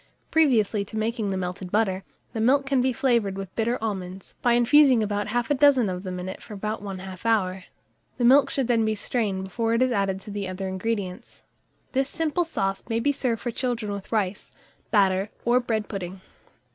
Previously to making the melted butter, the milk can be flavoured with bitter almonds, by infusing about half a dozen of them in it for about 1/2 hour; the milk should then be strained before it is added to the other ingredients. This simple sauce may be served for children with rice, batter, or bread pudding.